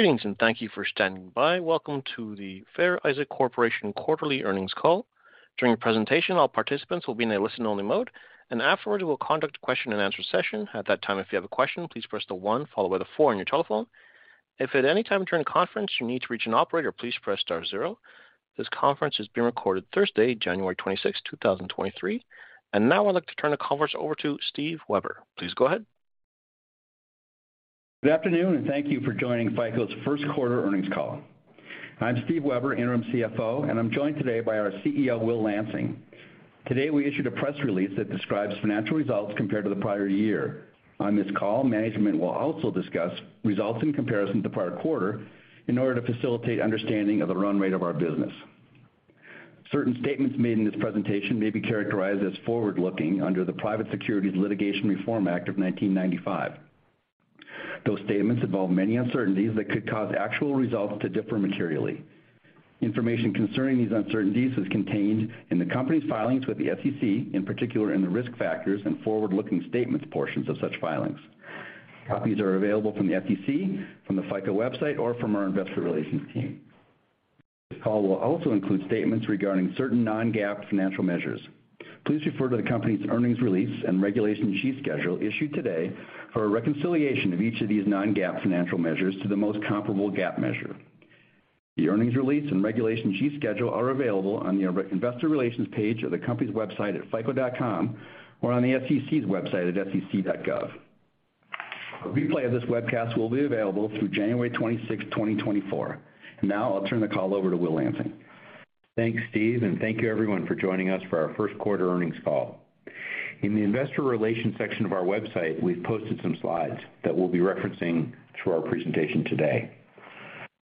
Greetings, and thank you for standing by. Welcome to the Fair Isaac Corporation quarterly earnings call. During the presentation, all participants will be in a listen-only mode, and afterwards, we will conduct a question-and-answer session. At that time, if you have a question, please press the one followed by the four on your telephone. If at any time during the conference you need to reach an operator, please press star zero. This conference is being recorded Thursday, January 26th, 2023. Now I'd like to turn the conference over to Steven Weber. Please go ahead. Good afternoon, thank you for joining FICO's first quarter earnings call. I'm Steven Weber, interim CFO, and I'm joined today by our CEO, Will Lansing. Today, we issued a press release that describes financial results compared to the prior year. On this call, management will also discuss results in comparison to prior quarter in order to facilitate understanding of the run rate of our business. Certain statements made in this presentation may be characterized as forward-looking under the Private Securities Litigation Reform Act of 1995. Those statements involve many uncertainties that could cause actual results to differ materially. Information concerning these uncertainties is contained in the company's filings with the SEC, in particular in the risk factors and forward-looking statements portions of such filings. Copies are available from the SEC, from the FICO website, or from our investor relations team. This call will also include statements regarding certain non-GAAP financial measures. Please refer to the company's earnings release and Regulation G schedule issued today for a reconciliation of each of these non-GAAP financial measures to the most comparable GAAP measure. The earnings release and Regulation G schedule are available on the investor relations page of the company's website at fico.com or on the SEC's website at sec.gov. A replay of this webcast will be available through January 26, 2024. Now I'll turn the call over to Will Lansing. Thanks, Steven Weber, thank you everyone for joining us for our first quarter earnings call. In the investor relations section of our website, we've posted some slides that we'll be referencing through our presentation today.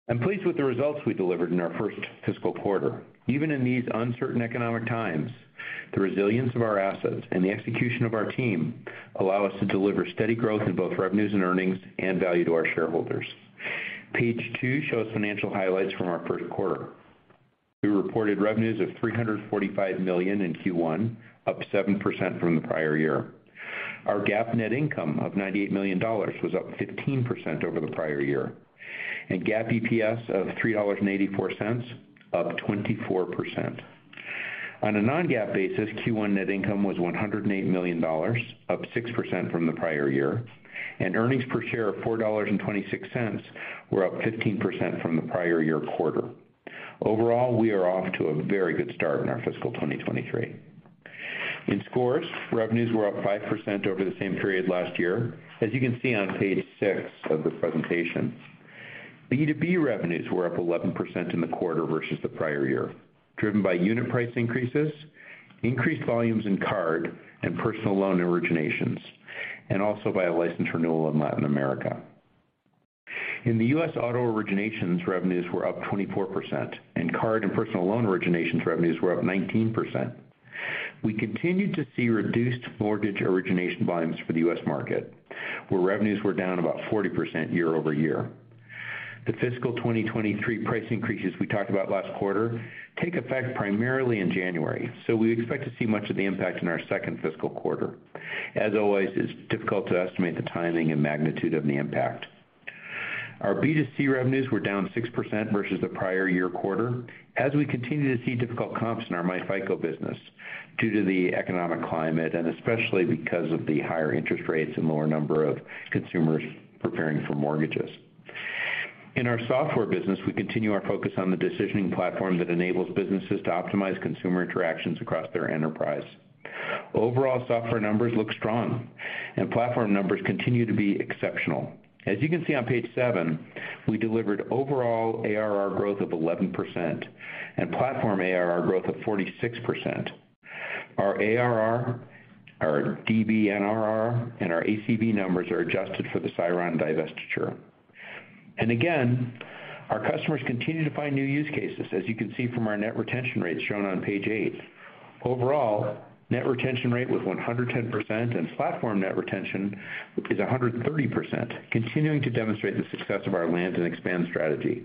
I'm pleased with the results we delivered in our first fiscal quarter. Even in these uncertain economic times, the resilience of our assets and the execution of our team allow us to deliver steady growth in both revenues and earnings and value to our shareholders. Page two shows financial highlights from our first quarter. We reported revenues of $345 million in Q1, up 7% from the prior year. Our GAAP net income of $98 million was up 15% over the prior year, and GAAP EPS of $3.84, up 24%. On a non-GAAP basis, Q1 net income was $108 million, up 6% from the prior year, and earnings per share of $4.26 were up 15% from the prior year quarter. Overall, we are off to a very good start in our fiscal 2023. In scores, revenues were up 5% over the same period last year, as you can see on page six of the presentation. The B2B revenues were up 11% in the quarter versus the prior year, driven by unit price increases, increased volumes in card and personal loan originations, and also by a license renewal in Latin America. In the U.S., auto originations revenues were up 24%, and card and personal loan originations revenues were up 19%. We continued to see reduced mortgage origination volumes for the U.S. market, where revenues were down about 40% year-over-year. The fiscal 2023 price increases we talked about last quarter take effect primarily in January, so we expect to see much of the impact in our second fiscal quarter. As always, it's difficult to estimate the timing and magnitude of the impact. Our B2C revenues were down 6% versus the prior year quarter as we continue to see difficult comps in our myFICO business due to the economic climate and especially because of the higher interest rates and lower number of consumers preparing for mortgages. In our software business, we continue our focus on the decisioning platform that enables businesses to optimize consumer interactions across their enterprise. Overall software numbers look strong, platform numbers continue to be exceptional. As you can see on page seven, we delivered overall ARR growth of 11% and platform ARR growth of 46%. Our ARR, our DBNRR, and our ACV numbers are adjusted for the Siron divestiture. Again, our customers continue to find new use cases, as you can see from our net retention rates shown on page eight. Overall, net retention rate was 110%, and platform net retention is 130%, continuing to demonstrate the success of our land and expand strategy.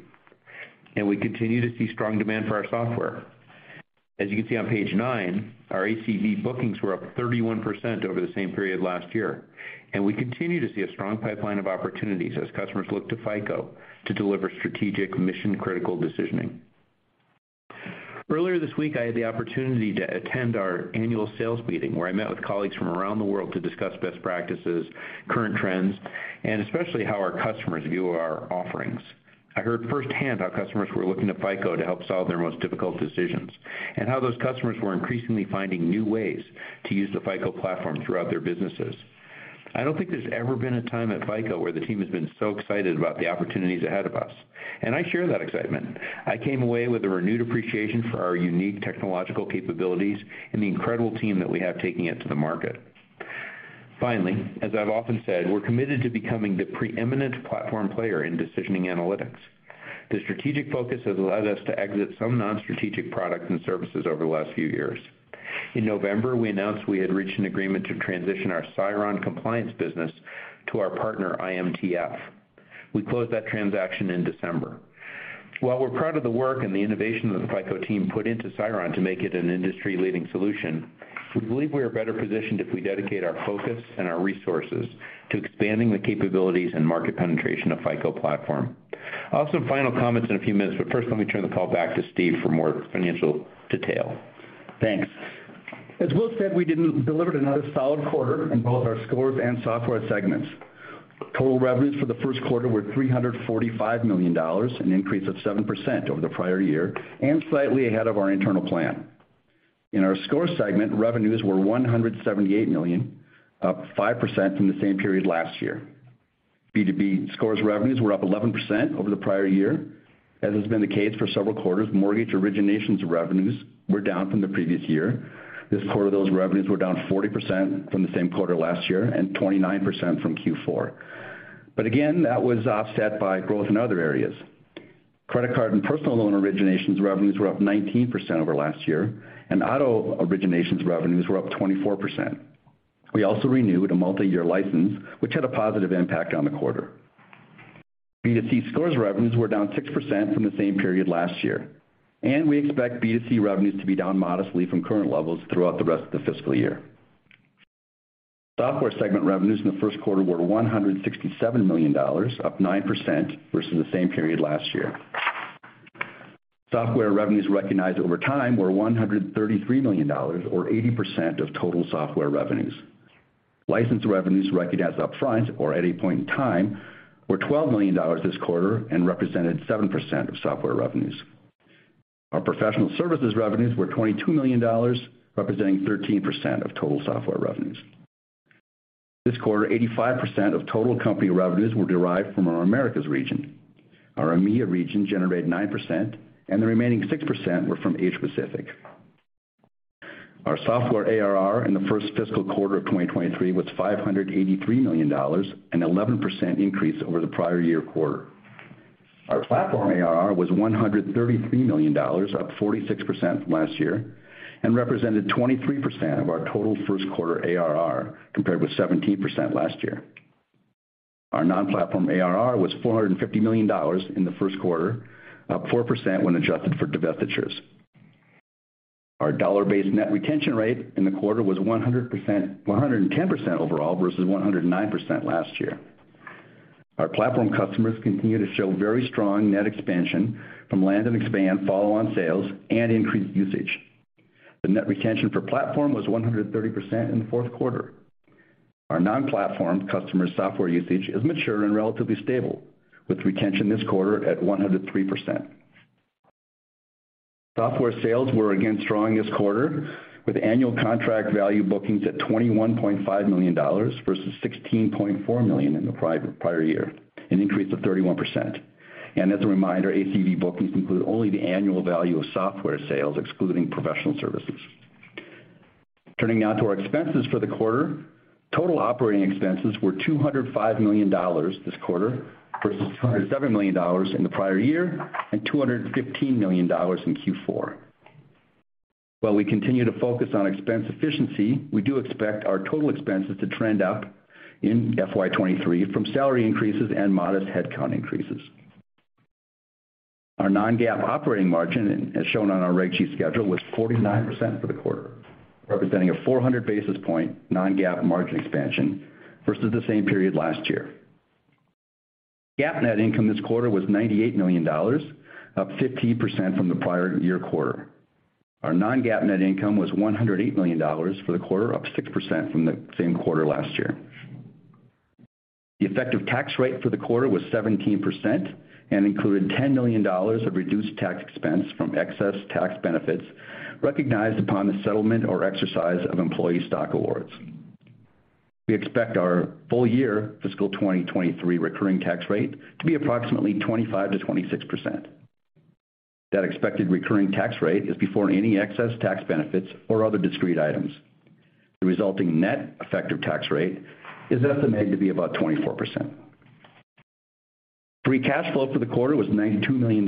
We continue to see strong demand for our software. As you can see on page nine, our ACV bookings were up 31% over the same period last year, and we continue to see a strong pipeline of opportunities as customers look to FICO to deliver strategic mission-critical decisioning. Earlier this week, I had the opportunity to attend our annual sales meeting, where I met with colleagues from around the world to discuss best practices, current trends, and especially how our customers view our offerings. I heard firsthand how customers were looking to FICO to help solve their most difficult decisions and how those customers were increasingly finding new ways to use the FICO Platform throughout their businesses. I don't think there's ever been a time at FICO where the team has been so excited about the opportunities ahead of us, and I share that excitement. I came away with a renewed appreciation for our unique technological capabilities and the incredible team that we have taking it to the market. Finally, as I've often said, we're committed to becoming the preeminent platform player in decisioning analytics. The strategic focus has allowed us to exit some non-strategic products and services over the last few years. In November, we announced we had reached an agreement to transition our Siron Compliance business to our partner, IMTF. We closed that transaction in December. While we're proud of the work and the innovation that the FICO team put into Siron to make it an industry-leading solution, we believe we are better positioned if we dedicate our focus and our resources to expanding the capabilities and market penetration of FICO Platform. I'll have some final comments in a few minutes. First, let me turn the call back to Steve for more financial detail. Thanks. As Will said, we delivered another solid quarter in both our Scores and Software segments. Total revenues for the first quarter were $345 million, an increase of 7% over the prior year, slightly ahead of our internal plan. In our Scores segment, revenues were $178 million, up 5% from the same period last year. B2B Scores revenues were up 11% over the prior year. As has been the case for several quarters, mortgage originations revenues were down from the previous year. This quarter, those revenues were down 40% from the same quarter last year and 29% from Q4. Again, that was offset by growth in other areas. Credit card and personal loan originations revenues were up 19% over last year, auto originations revenues were up 24%. We also renewed a multiyear license, which had a positive impact on the quarter. B2C Scores revenues were down 6% from the same period last year, and we expect B2C revenues to be down modestly from current levels throughout the rest of the fiscal year. Software segment revenues in the first quarter were $167 million, up 9% versus the same period last year. Software revenues recognized over time were $133 million or 80% of total software revenues. License revenues recognized upfront or at any point in time were $12 million this quarter and represented 7% of software revenues. Our professional services revenues were $22 million, representing 13% of total software revenues. This quarter, 85% of total company revenues were derived from our Americas region. Our EMEA region generated 9%, and the remaining 6% were from Asia-Pacific. Our software ARR in the first fiscal quarter of 2023 was $583 million, an 11% increase over the prior year quarter. Our Platform ARR was $133 million, up 46% from last year, and represented 23% of our total first quarter ARR, compared with 17% last year. Our non-platform ARR was $450 million in the first quarter, up 4% when adjusted for divestitures. Our dollar-based net retention rate in the quarter was 110% overall versus 109% last year. Our Platform customers continue to show very strong net expansion from land and expand follow-on sales and increased usage. The net retention for Platform was 130% in the fourth quarter. Our non-Platform customer software usage is mature and relatively stable, with retention this quarter at 103%. Software sales were again strong this quarter, with annual contract value bookings at $21.5 million versus $16.4 million in the prior year, an increase of 31%. As a reminder, ACV bookings include only the annual value of software sales, excluding professional services. Turning now to our expenses for the quarter. Total operating expenses were $205 million this quarter versus $207 million in the prior year and $215 million in Q4. While we continue to focus on expense efficiency, we do expect our total expenses to trend up in FY23 from salary increases and modest headcount increases. Our non-GAAP operating margin, as shown on our rate sheet schedule was 49% for the quarter, representing a 400 basis point non-GAAP margin expansion versus the same period last year. GAAP net income this quarter was $98 million, up 15% from the prior year quarter. Our non-GAAP net income was $108 million for the quarter, up 6% from the same quarter last year. The effective tax rate for the quarter was 17% and included $10 million of reduced tax expense from excess tax benefits recognized upon the settlement or exercise of employee stock awards. We expect our full year fiscal 2023 recurring tax rate to be approximately 25%-26%. That expected recurring tax rate is before any excess tax benefits or other discrete items. The resulting net effective tax rate is estimated to be about 24%. Free cash flow for the quarter was $92 million.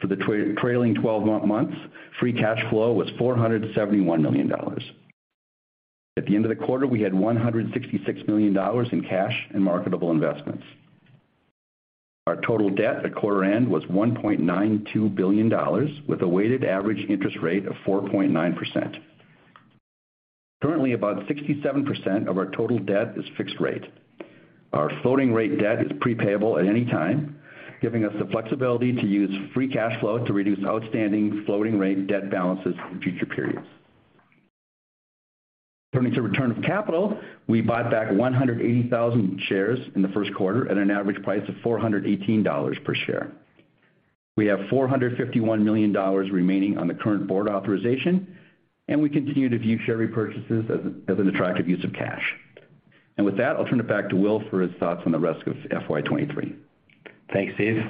For the trailing 12 months, free cash flow was $471 million. At the end of the quarter, we had $166 million in cash and marketable investments. Our total debt at quarter end was $1.92 billion, with a weighted average interest rate of 4.9%. Currently, about 67% of our total debt is fixed rate. Our floating rate debt is pre-payable at any time, giving us the flexibility to use free cash flow to reduce outstanding floating rate debt balances in future periods. Turning to return of capital, we bought back 180,000 shares in the first quarter at an average price of $418 per share. We have $451 million remaining on the current board authorization, and we continue to view share repurchases as an attractive use of cash. With that, I'll turn it back to Will for his thoughts on the rest of FY23. Thanks, Steve.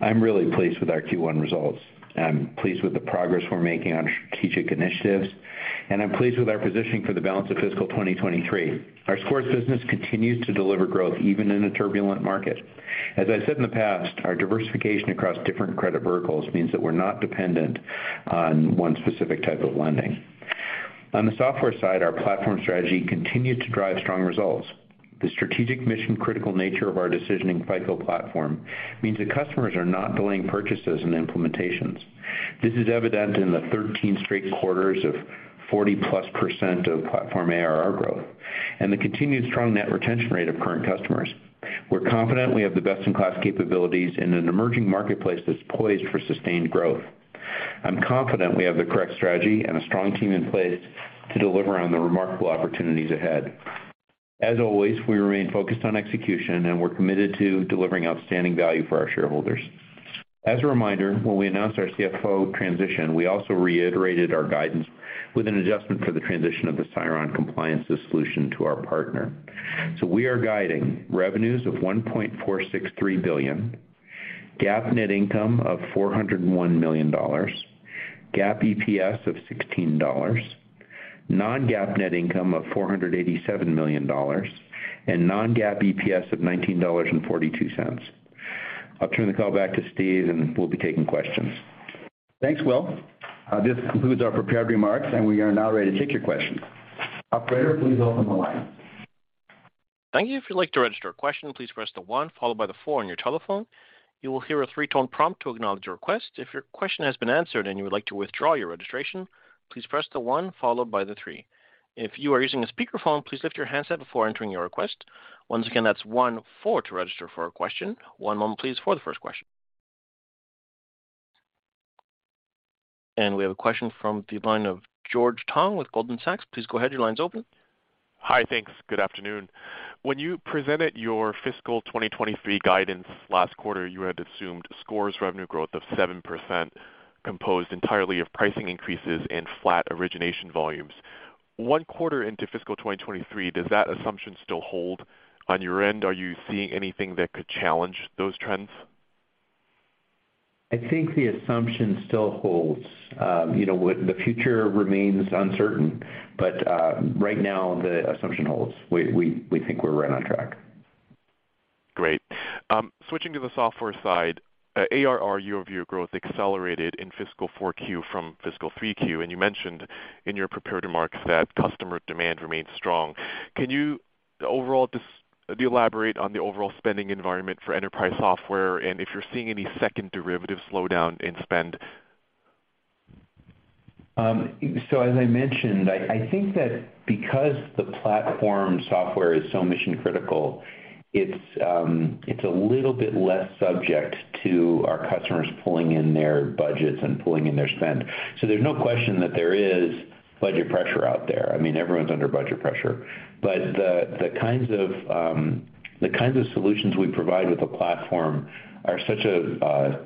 I'm really pleased with our Q1 results. I'm pleased with the progress we're making on strategic initiatives, and I'm pleased with our positioning for the balance of fiscal 2023. Our Scores business continues to deliver growth even in a turbulent market. As I said in the past, our diversification across different credit verticals means that we're not dependent on one specific type of lending. On the software side, our platform strategy continued to drive strong results. The strategic mission-critical nature of our decisioning FICO Platform means that customers are not delaying purchases and implementations. This is evident in the 13 straight quarters of 40%+ of platform ARR growth and the continued strong net retention rate of current customers. We're confident we have the best-in-class capabilities in an emerging marketplace that's poised for sustained growth. I'm confident we have the correct strategy and a strong team in place to deliver on the remarkable opportunities ahead. As always, we remain focused on execution, and we're committed to delivering outstanding value for our shareholders. As a reminder, when we announced our CFO transition, we also reiterated our guidance with an adjustment for the transition of the Siron Compliance solution to our partner. We are guiding revenues of $1.463 billion, GAAP net income of $401 million, GAAP EPS of $16, non-GAAP net income of $487 million, and non-GAAP EPS of $19.42. I'll turn the call back to Steve, and we'll be taking questions. Thanks, Will. This concludes our prepared remarks. We are now ready to take your questions. Operator, please open the line. Thank you. If you'd like to register a question, please press the one followed by the four on your telephone. You will hear a three-tone prompt to acknowledge your request. If your question has been answered and you would like to withdraw your registration, please press the one followed by the three. If you are using a speakerphone, please lift your handset before entering your request. Once again, that's one, four to register for a question. One moment, please, for the first question. We have a question from the line of George Tong with Goldman Sachs. Please go ahead. Your line's open. Hi. Thanks. Good afternoon. When you presented your fiscal 2023 guidance last quarter, you had assumed Scores revenue growth of 7% composed entirely of pricing increases and flat origination volumes. One quarter into fiscal 2023, does that assumption still hold on your end? Are you seeing anything that could challenge those trends? I think the assumption still holds. You know, the future remains uncertain, but, right now, the assumption holds. We think we're right on track. Great. Switching to the software side, ARR year-over-year growth accelerated in fiscal 4Q from fiscal 3Q, and you mentioned in your prepared remarks that customer demand remains strong. Can you overall elaborate on the overall spending environment for enterprise software and if you're seeing any second derivative slowdown in spend? As I mentioned, I think that because the platform software is so mission-critical, it's a little bit less subject to our customers pulling in their budgets and pulling in their spend. There's no question that there is budget pressure out there. I mean, everyone's under budget pressure. The kinds of solutions we provide with the platform are such a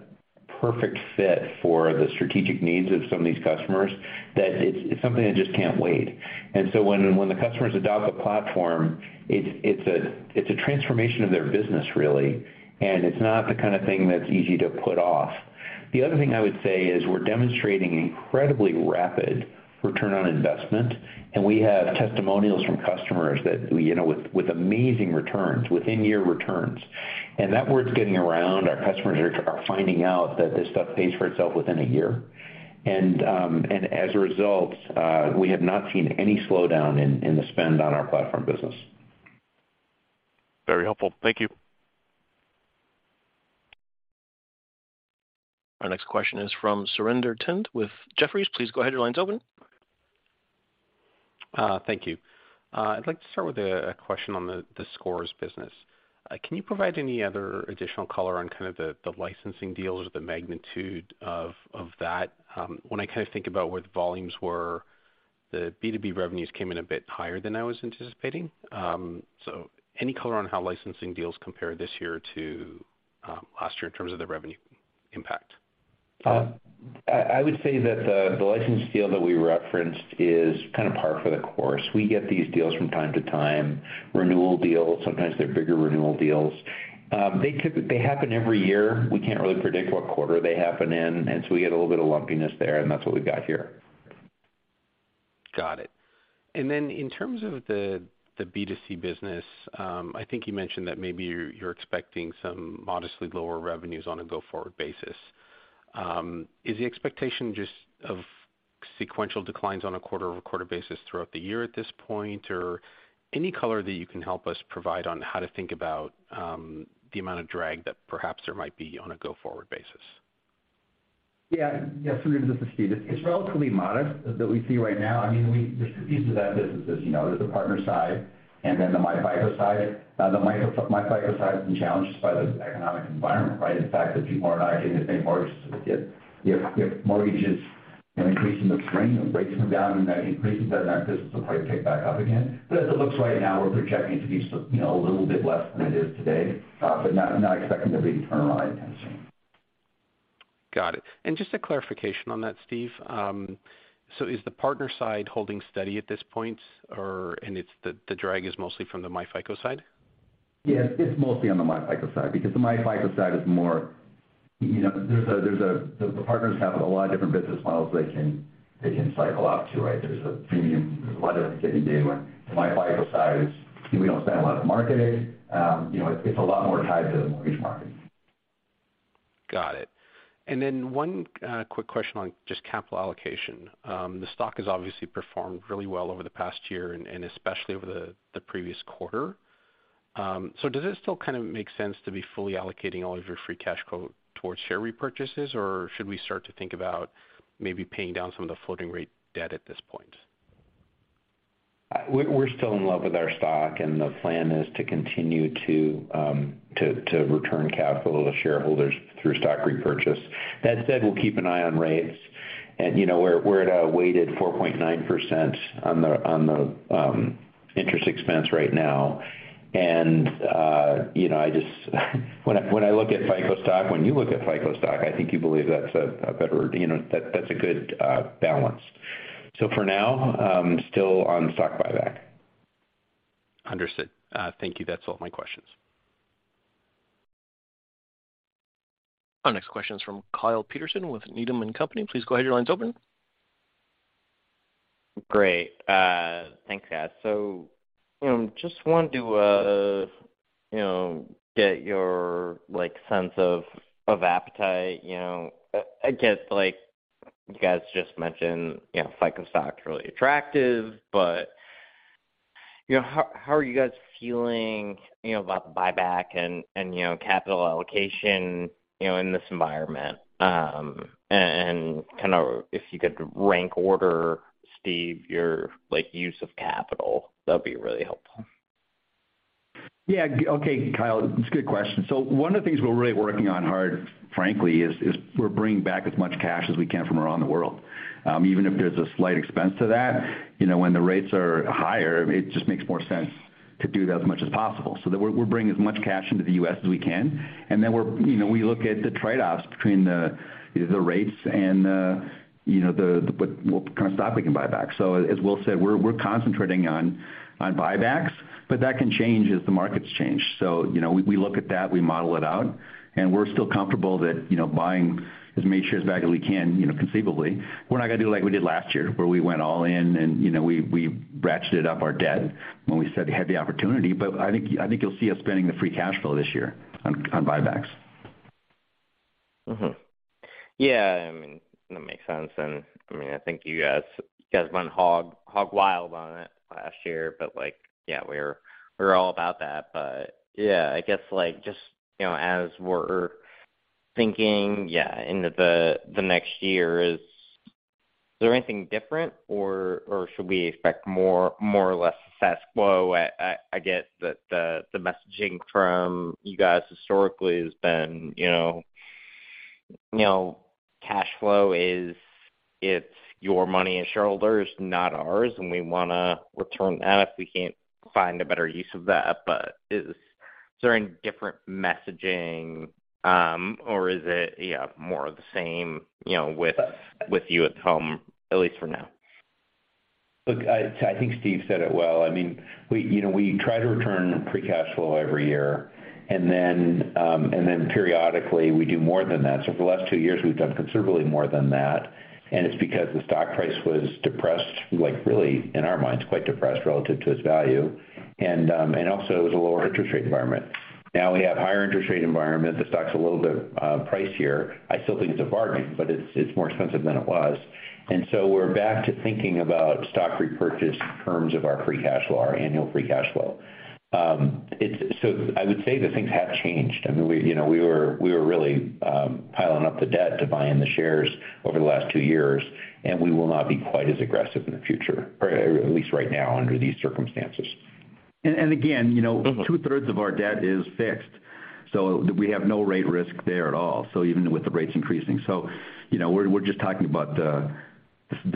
perfect fit for the strategic needs of some of these customers that it's something that just can't wait. When the customers adopt the platform, it's a transformation of their business, really, and it's not the kind of thing that's easy to put off. The other thing I would say is we're demonstrating incredibly rapid return on investment, and we have testimonials from customers that, you know, with amazing returns, within year returns. That word's getting around. Our customers are finding out that this stuff pays for itself within a year. As a result, we have not seen any slowdown in the spend on our platform business. Very helpful. Thank you. Our next question is from Surinder Thind with Jefferies. Please go ahead. Your line's open. Thank you. I'd like to start with a question on the Scores business. Can you provide any other additional color on kind of the licensing deals or the magnitude of that? When I kind of think about where the volumes were, the B2B revenues came in a bit higher than I was anticipating. Any color on how licensing deals compare this year to last year in terms of the revenue impact? I would say that the license deal that we referenced is kind of par for the course. We get these deals from time to time, renewal deals, sometimes they're bigger renewal deals. They happen every year. We can't really predict what quarter they happen in, so we get a little bit of lumpiness there, and that's what we've got here. Got it. Then in terms of the B2C business, I think you mentioned that maybe you're expecting some modestly lower revenues on a go-forward basis. Is the expectation just of sequential declines on a quarter-over-quarter basis throughout the year at this point? Any color that you can help us provide on how to think about the amount of drag that perhaps there might be on a go-forward basis? Yeah, Surinder, this is Steve. It's relatively modest that we see right now. I mean, there's two pieces of that business, as you know. There's the partner side and then the myFICO side. The myFICO side has been challenged by the economic environment, right? The fact that people are not getting the same mortgages. If mortgages, you know, increase in the stream, the rates come down and that increases that, then that business will probably pick back up again. As it looks right now, we're projecting it to be sort of, you know, a little bit less than it is today, but not expecting there to be a turnaround any time soon. Got it. Just a clarification on that, Steve. Is the partner side holding steady at this point or the drag is mostly from the myFICO side? Yeah, it's mostly on the myFICO side because the myFICO side is more, you know, The partners have a lot of different business models they can, they can cycle off to, right? There's a premium. There's a lot of different things they can do. MyFICO side is we don't spend a lot in marketing. You know, it's a lot more tied to the mortgage market. Got it. One quick question on just capital allocation. The stock has obviously performed really well over the past year and especially over the previous quarter. Does it still kind of make sense to be fully allocating all of your Free Cash Flow towards share repurchases, or should we start to think about maybe paying down some of the floating rate debt at this point? We're still in love with our stock, and the plan is to continue to return capital to shareholders through stock repurchase. That said, we'll keep an eye on rates and, you know, we're at a weighted 4.9% on the interest expense right now. You know, I just when I look at FICO stock, when you look at FICO stock, I think you believe that's a better, you know. That's a good balance. For now, still on stock buyback. Understood. Thank you. That's all my questions. Our next question is from Kyle Peterson with Needham & Company. Please go ahead. Your line's open. Great. Thanks, guys. You know, just wanted to, you know, get your, like, sense of appetite, you know. I guess, like you guys just mentioned, you know, FICO stock's really attractive. You know, how are you guys feeling, you know, about the buyback and, you know, capital allocation, you know, in this environment? Kind of if you could rank order, Steve, your, like, use of capital, that'd be really helpful. Yeah. Okay, Kyle, it's a good question. One of the things we're really working on hard, frankly, is we're bringing back as much cash as we can from around the world. Even if there's a slight expense to that, you know, when the rates are higher, it just makes more sense to do that as much as possible. That we're bringing as much cash into the U.S. as we can, and then we look at the trade-offs between the rates and, you know, the what kind of stock we can buy back. As Will said, we're concentrating on buybacks, but that can change as the markets change. You know, we look at that, we model it out, and we're still comfortable that, you know, buying as many shares back as we can, you know, conceivably. We're not gonna do like we did last year, where we went all in and, you know, we ratcheted up our debt when we said we had the opportunity. I think you'll see us spending the free cash flow this year on buybacks. Mm-hmm. Yeah. I mean, that makes sense, and I mean, I think you guys went hog wild on it last year, but, like, yeah, we're all about that. Yeah, I guess, like, just, you know, as we're thinking, yeah, into the next year, is there anything different or should we expect more or less status quo? I get that the messaging from you guys historically has been, you know, cash flow is, it's your money as shareholders, not ours, and we wanna return that if we can't find a better use of that. Is there any different messaging, or is it, yeah, more of the same, you know, with you at the helm, at least for now? Look, I think Steve said it well. I mean, we, you know, try to return Free Cash Flow every year, then periodically we do more than that. For the last two years, we've done considerably more than that, and it's because the stock price was depressed, like really, in our minds, quite depressed relative to its value. Also it was a lower interest rate environment. Now we have higher interest rate environment. The stock's a little bit pricier. I still think it's a bargain, but it's more expensive than it was. We're back to thinking about stock repurchase in terms of our Free Cash Flow, our annual Free Cash Flow. I would say that things have changed. I mean, we, you know, we were really piling up the debt to buy in the shares over the last 2 years, and we will not be quite as aggressive in the future, or at least right now under these circumstances. Again, you know... Mm-hmm Two-thirds of our debt is fixed. We have no rate risk there at all. Even with the rates increasing. You know, we're just talking about the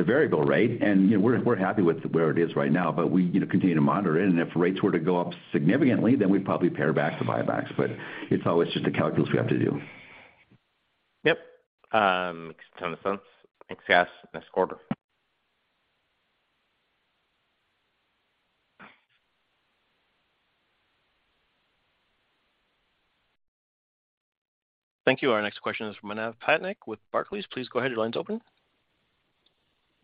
variable rate, and, you know, we're happy with where it is right now, but we, you know, continue to monitor it, and if rates were to go up significantly, then we'd probably pare back the buybacks. It's always just a calculus we have to do. Yep. Makes a ton of sense. Thanks, guys. Next quarter. Thank you. Our next question is from Manav Patnaik with Barclays. Please go ahead. Your line's open.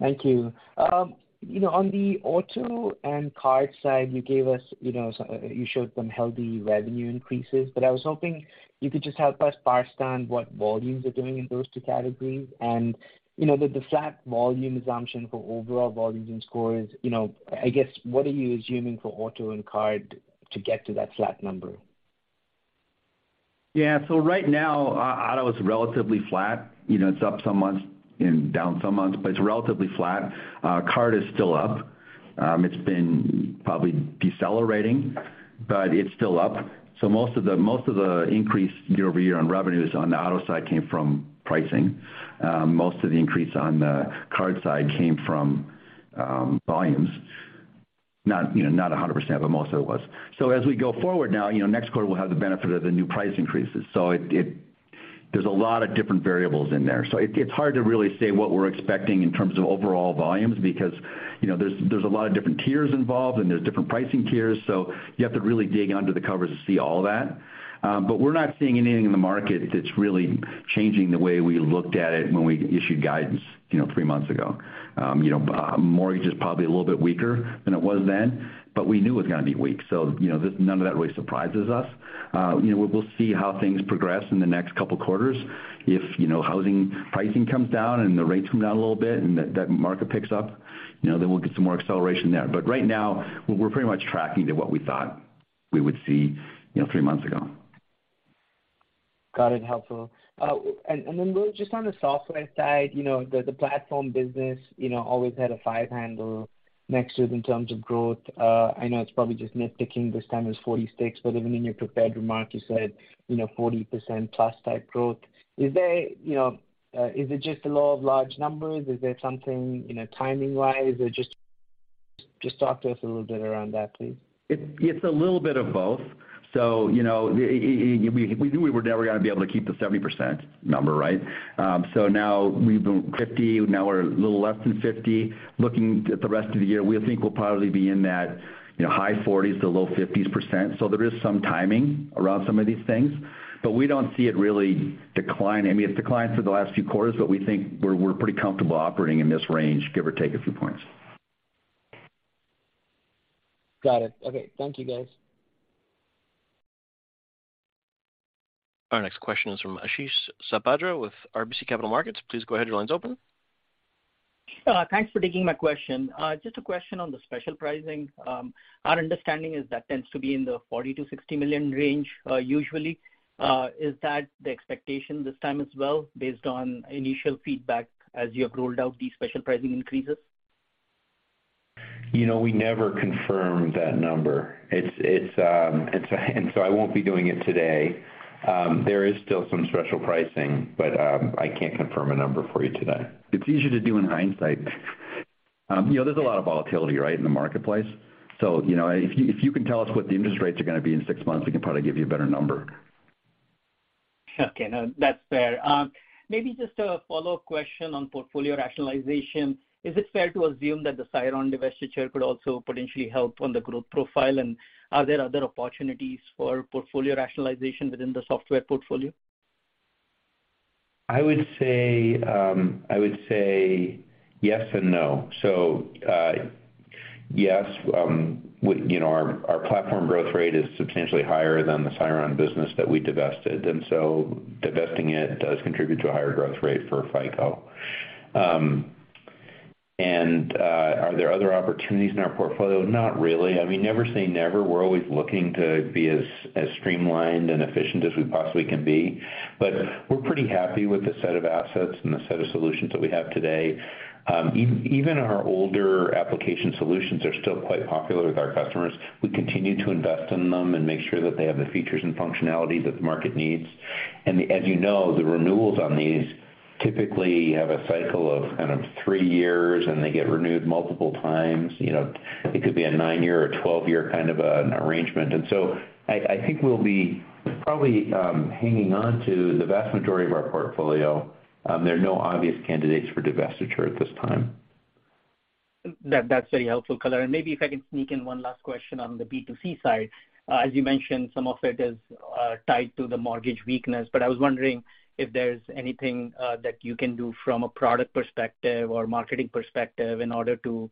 Thank you. On the auto and card side, you gave us, so you showed some healthy revenue increases, but I was hoping you could just help us parse down what volumes are doing in those two categories. The flat volume assumption for overall volumes and scores, I guess, what are you assuming for auto and card to get to that flat number? Yeah. Right now, auto is relatively flat. You know, it's up some months and down some months, but it's relatively flat. Card is still up. It's been probably decelerating, but it's still up. Most of the increase year-over-year on revenues on the auto side came from pricing. Most of the increase on the card side came from volumes. Not, you know, not 100%, but most of it was. As we go forward now, you know, next quarter we'll have the benefit of the new price increases. There's a lot of different variables in there. it's hard to really say what we're expecting in terms of overall volumes because, you know, there's a lot of different tiers involved and there's different pricing tiers, so you have to really dig under the covers to see all of that. We're not seeing anything in the market that's really changing the way we looked at it when we issued guidance, you know, three months ago. You know, mortgage is probably a little bit weaker than it was then, but we knew it was gonna be weak. This, none of that really surprises us. You know, we'll see how things progress in the next couple quarters. If, you know, housing pricing comes down and the rates come down a little bit and that market picks up, you know, then we'll get some more acceleration there. Right now we're pretty much tracking to what we thought we would see, you know, three months ago. Got it. Helpful. Then just on the software side, you know, the platform business, you know, always had a five handle next to it in terms of growth. I know it's probably just nitpicking this time as 46, but even in your prepared remarks, you said, you know, 40% plus type growth. Is there, you know, is it just the law of large numbers? Is there something, you know, timing wise or just talk to us a little bit around that, please. It's a little bit of both. You know, we knew we were never gonna be able to keep the 70% number, right? Now we've been 50, now we're a little less than 50. Looking at the rest of the year, we think we'll probably be in that, you know, high 40s to low 50s%. There is some timing around some of these things, but we don't see it really decline. I mean, it's declined for the last few quarters, but we think we're pretty comfortable operating in this range, give or take a few points. Got it. Okay. Thank you, guys. Our next question is from Ashish Sabadra with RBC Capital Markets. Please go ahead. Your line's open. Thanks for taking my question. Just a question on the special pricing. Our understanding is that tends to be in the $40 million-$60 million range, usually. Is that the expectation this time as well based on initial feedback as you have rolled out these special pricing increases? You know, we never confirmed that number. It's... I won't be doing it today. There is still some special pricing, but I can't confirm a number for you today. It's easy to do in hindsight. You know, there's a lot of volatility, right, in the marketplace. You know, if you can tell us what the interest rates are gonna be in six months, we can probably give you a better number. Okay, no, that's fair. Maybe just a follow-up question on portfolio rationalization. Is it fair to assume that the Siron divestiture could also potentially help on the growth profile? Are there other opportunities for portfolio rationalization within the software portfolio? I would say, I would say yes and no. Yes, you know, our platform growth rate is substantially higher than the Siron business that we divested. Divesting it does contribute to a higher growth rate for FICO. Are there other opportunities in our portfolio? Not really. I mean, never say never. We're always looking to be as streamlined and efficient as we possibly can be, but we're pretty happy with the set of assets and the set of solutions that we have today. Even our older application solutions are still quite popular with our customers. We continue to invest in them and make sure that they have the features and functionality that the market needs. As you know, the renewals on these typically have a cycle of kind of three years, and they get renewed multiple times. You know, it could be a nine-year or 12-year kind of an arrangement. I think we'll be probably, hanging on to the vast majority of our portfolio. There are no obvious candidates for divestiture at this time. That's very helpful, Caleb. Maybe if I can sneak in one last question on the B2C side. As you mentioned, some of it is tied to the mortgage weakness, but I was wondering if there's anything that you can do from a product perspective or marketing perspective in order to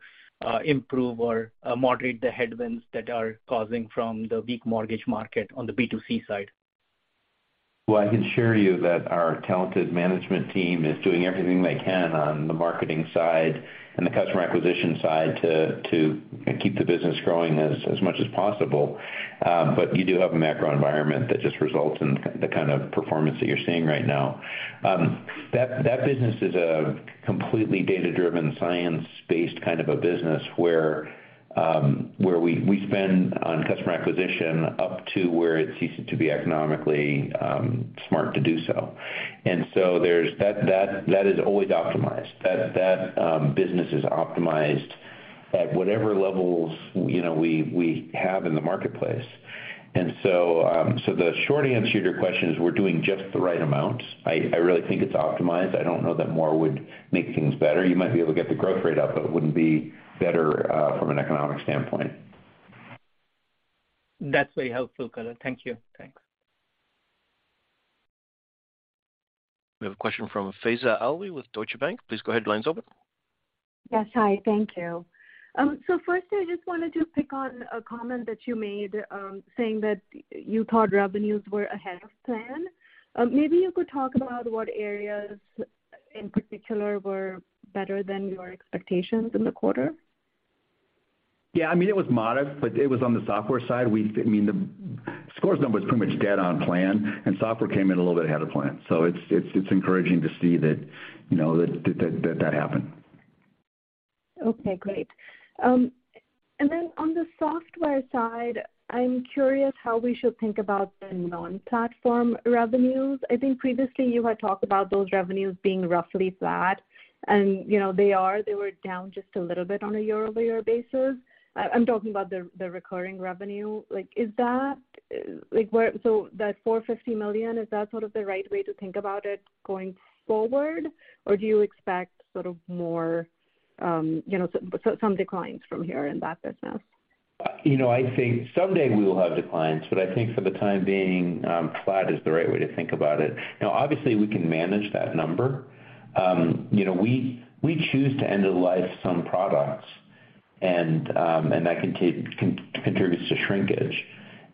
improve or moderate the headwinds that are causing from the weak mortgage market on the B2C side. Well, I can assure you that our talented management team is doing everything they can on the marketing side and the customer acquisition side to keep the business growing as much as possible. You do have a macro environment that just results in the kind of performance that you're seeing right now. That business is a completely data-driven, science-based kind of a business where we spend on customer acquisition up to where it ceases to be economically smart to do so. That is always optimized. That business is optimized at whatever levels, you know, we have in the marketplace. The short answer to your question is we're doing just the right amount. I really think it's optimized. I don't know that more would make things better. You might be able to get the growth rate up, but it wouldn't be better, from an economic standpoint. That's very helpful color. Thank you. Thanks. We have a question from Faiza Alwy with Deutsche Bank. Please go ahead. Line's open. Yes. Hi. Thank you. First, I just wanted to pick on a comment that you made, saying that you thought revenues were ahead of plan. Maybe you could talk about what areas in particular were better than your expectations in the quarter. Yeah, I mean, it was modest, but it was on the software side. I mean, the scores number is pretty much dead on plan, and software came in a little bit ahead of plan. It's encouraging to see that, you know, that happened. Okay, great. On the software side, I'm curious how we should think about the non-platform revenues. I think previously you had talked about those revenues being roughly flat, and, you know, they are, they were down just a little bit on a year-over-year basis. I'm talking about the recurring revenue. So that $450 million, is that sort of the right way to think about it going forward? Or do you expect sort of more, you know, some declines from here in that business? You know, I think someday we will have declines, but I think for the time being, flat is the right way to think about it. Obviously, we can manage that number. You know, we choose to end the life of some products, and that can contributes to shrinkage.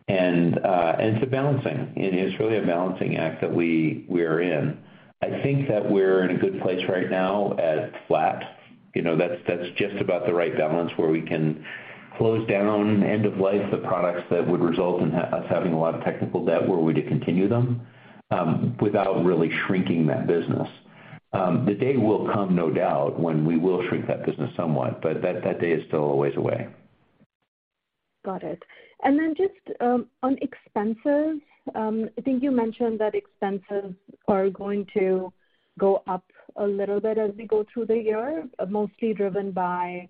It's a balancing. It is really a balancing act that we are in. I think that we're in a good place right now at flat. You know, that's just about the right balance where we can Close down end of life the products that would result in us having a lot of technical debt were we to continue them without really shrinking that business. The day will come no doubt when we will shrink that business somewhat, but that day is still a ways away. Got it. Then just on expenses, I think you mentioned that expenses are going to go up a little bit as we go through the year, mostly driven by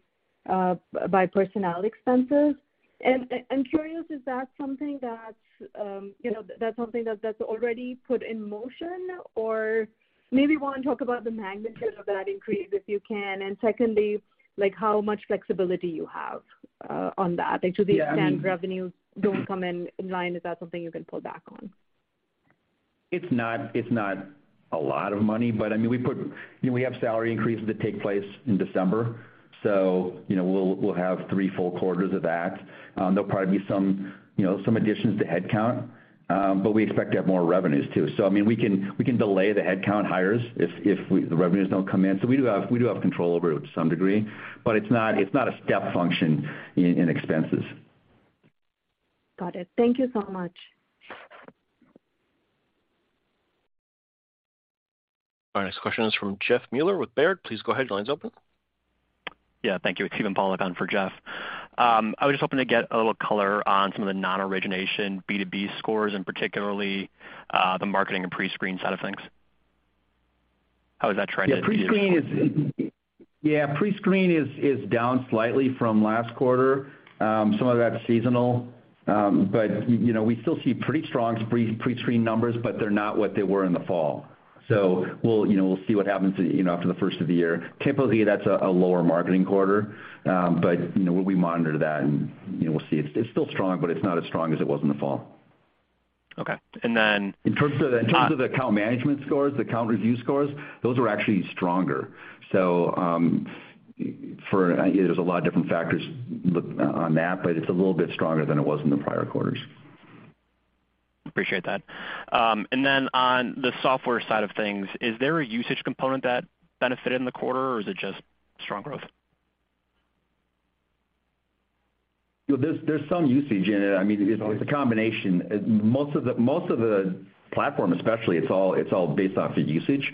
personnel expenses. I'm curious, is that something that, you know, that's something that's already put in motion? Maybe you wanna talk about the magnitude of that increase, if you can. Secondly, like how much flexibility you have on that. Like should the- Yeah, I mean.... extent revenues don't come in line, is that something you can pull back on? It's not a lot of money, I mean, we put. You know, we have salary increases that take place in December, so, you know, we'll have three full quarters of that. There'll probably be some, you know, some additions to headcount, but we expect to have more revenues too. I mean, we can delay the headcount hires if the revenues don't come in. We do have control over it to some degree, but it's not a step function in expenses. Got it. Thank you so much. Our next question is from Jeffrey Meuler with Baird. Please go ahead, your line's open. Yeah, thank you. It's even Steven Pucelik on for Jeff. I was just hoping to get a little color on some of the non-origination B2B scores and particularly, the marketing and pre-screen side of things. How is that trending into this quarter? Pre-screen is down slightly from last quarter. Some of that's seasonal. You know, we still see pretty strong pre-screen numbers, but they're not what they were in the fall. We'll, you know, we'll see what happens, you know, after the first of the year. Typically, that's a lower marketing quarter. You know, we'll be monitoring that and, you know, we'll see. It's still strong, but it's not as strong as it was in the fall. Okay. In terms of account management scores, account review scores, those are actually stronger. There's a lot of different factors on that, but it's a little bit stronger than it was in the prior quarters. Appreciate that. Then on the software side of things, is there a usage component that benefited in the quarter or is it just strong growth? There's some usage in it. I mean, it's a combination. Most of the platform especially, it's all based off of usage.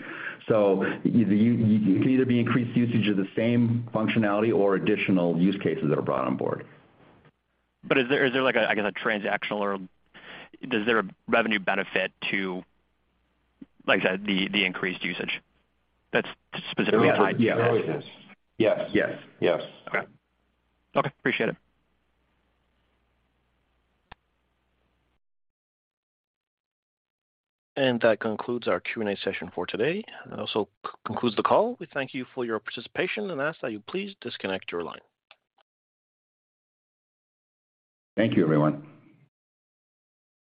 You it can either be increased usage of the same functionality or additional use cases that are brought on board. Is there like a, I guess a transactional or is there a revenue benefit to, like the increased usage that's specifically tied to that? Yes. Yes. Yes. Okay. Okay. Appreciate it. That concludes our Q&A session for today. It also concludes the call. We thank you for your participation and ask that you please disconnect your line. Thank you, everyone.